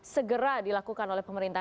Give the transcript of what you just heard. segera dilakukan oleh pemerintah